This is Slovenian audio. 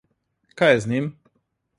Kaj je z njim?